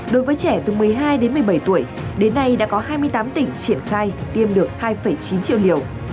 đối với trẻ từ một mươi hai đến một mươi bảy tuổi đến nay đã có hai mươi tám tỉnh triển khai tiêm được hai chín triệu liều